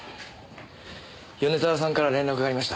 米沢さんから連絡がありました。